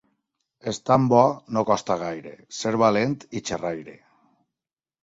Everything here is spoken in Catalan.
Estant bo, no costa gaire, ser valent i xerraire.